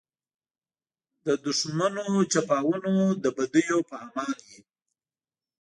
له دښمنو چپاوونو له بدیو په امان وي.